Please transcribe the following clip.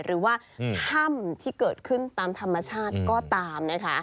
หรือว่าถ้ำที่เกิดขึ้นตามธรรมชาติก็ตามนะคะ